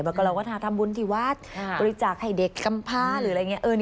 แล้วก็เราก็ทำบุญที่วัดบริจาคให้เด็กกำพาหรืออะไรอย่างนี้